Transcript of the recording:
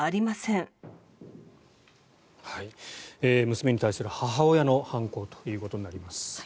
娘に対する母親の犯行ということになります。